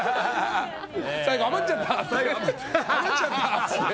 最後、余っちゃったって。